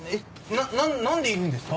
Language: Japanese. なな何でいるんですか？